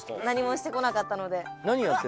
何もしてこなかったので。